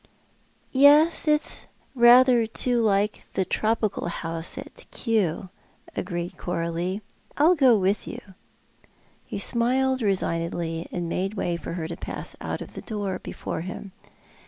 " Yes, it's rather too like the tropical house at Kew," agreed Coralie. " I'll go with you." He smiled resignedly, and made way for her to pass out of the door before him.